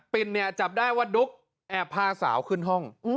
ปิ่นเนี่ยจับได้ว่าดุ๊กแอบพาสาวขึ้นห้อง